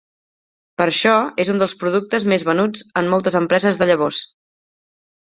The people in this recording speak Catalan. Per això és un dels productes més venuts en moltes empreses de llavors.